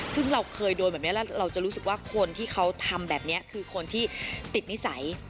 ซึ่งเราเคยโดนแบบนี้แล้วเราจะรู้สึกว่าคนที่เขาทำแบบนี้คือคนที่ติดนิสัย